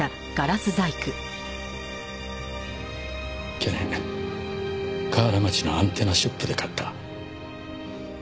去年河原町のアンテナショップで買った。